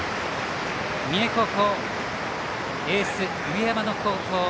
三重高校、エースの上山の好投。